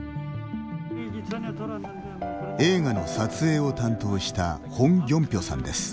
映画の撮影を担当したホン・ギョンピョさんです。